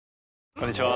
こんにちは。